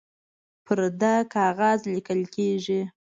پر ده کاغذ لیکل کیږي